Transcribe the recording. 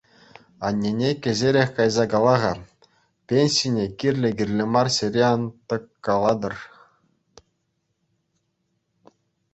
Аннене кӗҫӗрех кайса кала-ха: пенсине кирлӗ-кирлӗ мар ҫӗре ан тӑккалатӑр.